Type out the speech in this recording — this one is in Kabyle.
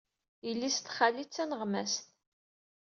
Yelli-s n xalti d taneɣmast.